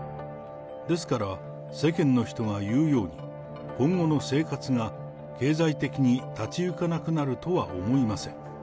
ですから、世間の人が言うように、今後の生活が経済的に立ち行かなくなるとは思いません。